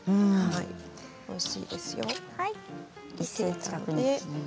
おいしいですよ。